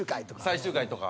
「最終回」とか。